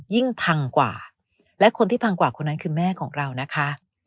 ยิ่งพังกว่าและคนที่พังกว่าคนนั้นคือแม่ของเรานะคะ